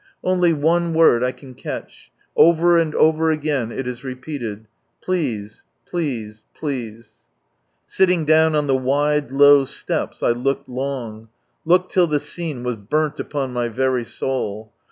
Only one word I can catch ; over and over again it is rejjeated— " //f(7jf, phase, please!" Sitting down on the wide low steps I looked long, looked till the scene was burnt upon my very soul.